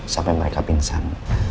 sampai mereka pingsan